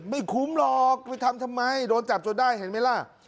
ไม่คุ้มหรอกไปทำทำไมโดนจับจนได้เห็นไหมล่ะ